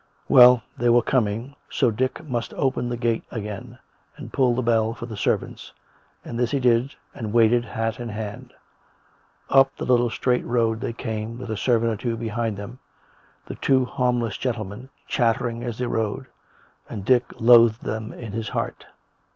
Well, they were coming, so Dick must open the gate again, and pull the bell for the servants; and this he did, and waited, hat in hand. Up the little straight road they came, with a servant or two behind them — the two harmless gentlemen, chat tering as they rode; and Dick loathed them in his heart.